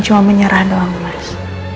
saya menyerah doang mas